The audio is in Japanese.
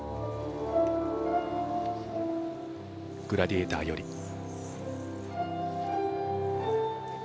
「グラディエーター」より。